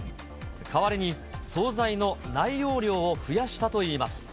代わりに、総菜の内容量を増やしたといいます。